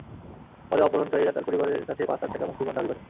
পরে অপহরণকারীরা তার পরিবারের কাছে পাঁচ লাখ টাকা মুক্তিপণ দাবি করে।